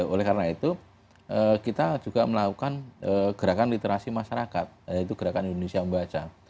oleh karena itu kita juga melakukan gerakan literasi masyarakat yaitu gerakan indonesia membaca